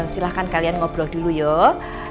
silahkan kalian ngobrol dulu yuk